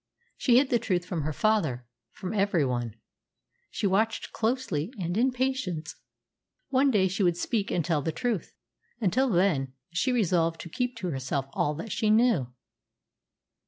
She hid the truth from her father from every one. She watched closely and in patience. One day she would speak and tell the truth. Until then, she resolved to keep to herself all that she knew.